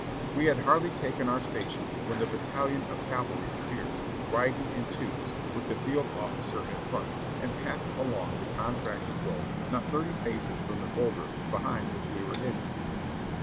We had hardly ON A HORSE RAID 613 taken our station, when the battalion of cavalry appeared, riding in twos, with the field officer in front, and passed along the con tracted road not thirty paces from the boulder behind which we were hidden.